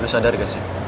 lo sadar gak sih